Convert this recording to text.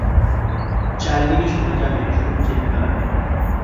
চারিদিকে শোনা যাবে শুধু চিৎকার।